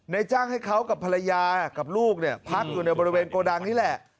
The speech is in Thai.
จ้างให้เขากับภรรยากับลูกเนี่ยพักอยู่ในบริเวณโกดังนี่แหละ